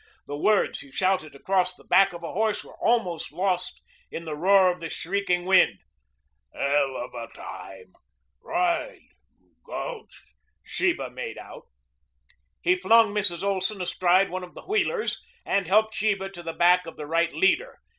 The words he shouted across the back of a horse were almost lost in the roar of the shrieking wind. "... heluvatime ... ride ... gulch," Sheba made out. He flung Mrs. Olson astride one of the wheelers and helped Sheba to the back of the right leader.